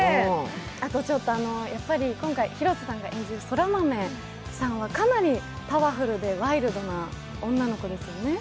あと、やっぱり今回広瀬さんが演じる空豆さんはかなりパワフルでワイルドな女の子ですよね？